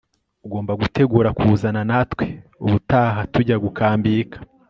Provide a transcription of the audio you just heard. ugomba gutegura kuzana natwe ubutaha tujya gukambika